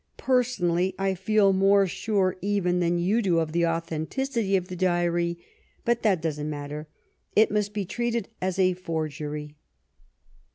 " Personally I feel more sure even than you do of the authenticity of the Diary. But that doesn't matter ; it must be treated as a forgery."